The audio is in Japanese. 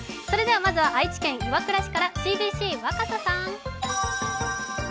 それではまずは愛知県岩倉市からＣＢＣ・若狭さん。